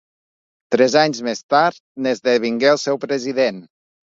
Tres anys més tard, n'esdevingué el seu president.